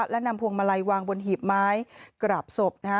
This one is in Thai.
และนำพวงมาลัยวางบนหีบไม้กราบศพ